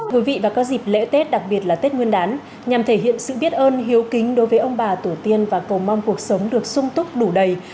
quý vị vào các dịp lễ tết đặc biệt là tết nguyên đán nhằm thể hiện sự biết ơn hiếu kính đối với ông bà tổ tiên và cầu mong cuộc sống được sung túc đủ đầy